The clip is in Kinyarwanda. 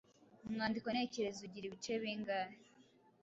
Umwandiko ntekerezo ugira ibice bingahe?